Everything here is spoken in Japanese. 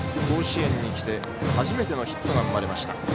甲子園に来て初めてのヒットが生まれました。